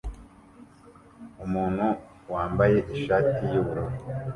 Umuntu wambaye ishati yubururu